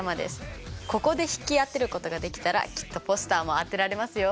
ここで引き当てることができたらきっとポスターも当てられますよ！